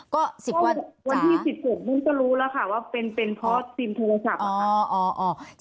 ก็วันที่๑๖นู้นก็รู้แล้วค่ะว่าเป็นเพราะซิมโทรศัพท์ค่ะ